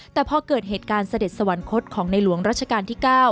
แต่พอเกิดเหตุการณ์เสด็จสวรรคตของในหลวงรัชกาลที่๙